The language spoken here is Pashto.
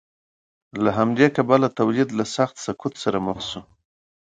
له همدې کبله تولید له سخت سقوط سره مخ شو.